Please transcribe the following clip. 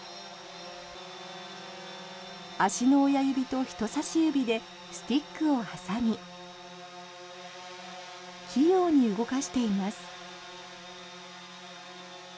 足の親指と人さし指でスティックを挟み器用に動かしています。